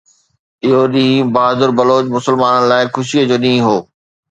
اهو ڏينهن بهادر بلوچ مسلمانن لاءِ خوشيءَ جو ڏينهن هو